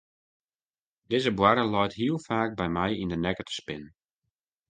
Dizze boarre leit hiel faak by my yn de nekke te spinnen.